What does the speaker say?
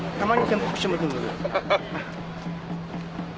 ハハハ。